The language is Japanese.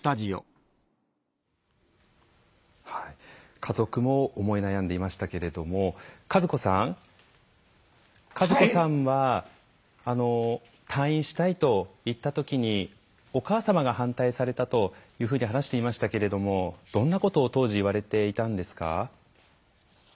家族も思い悩んでいましたけれども和子さんは退院したいと言ったときにお母様が反対されたというふうに話していましたけれどもどんなことを当時言われていたんですか？